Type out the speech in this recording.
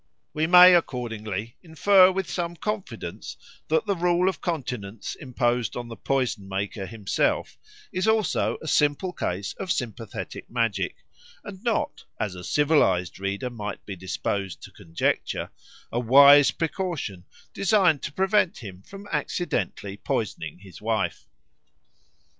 We may, accordingly, infer with some confidence that the rule of continence imposed on the poison maker himself is also a simple case of sympathetic magic, and not, as a civilised reader might be disposed to conjecture, a wise precaution designed to prevent him from accidentally poisoning his wife.